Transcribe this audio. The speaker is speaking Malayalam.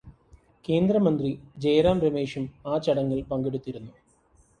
കേന്ദ്രമന്ത്രി ജയറാം രമേശും ആ ചടങ്ങിൽ പങ്കെടുത്തിരുന്നു.